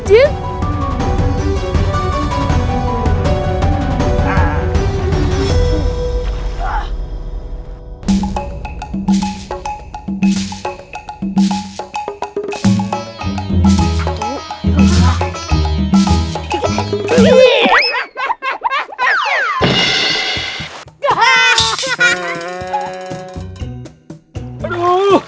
kapi yang ngerjain nih